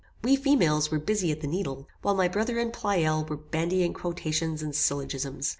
We females were busy at the needle, while my brother and Pleyel were bandying quotations and syllogisms.